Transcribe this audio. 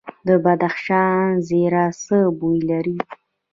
د بدخشان زیره څه بوی لري؟